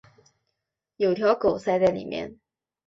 有条狗塞在里面